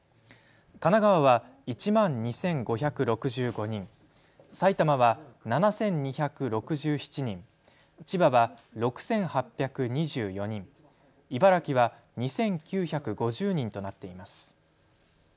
神奈川は１万２５６５人、埼玉は７２６７人、千葉は６８２４人、茨城は２９５０人となっています。